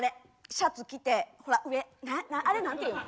シャツ着てほら上あれ何ていうの？